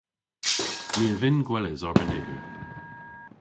My a vynn gweles arbeniger.